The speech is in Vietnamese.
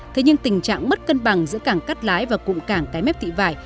thế nhưng tình trạng mất cân bằng giữa cảng cắt lái và cụm cảng cái mép thị vải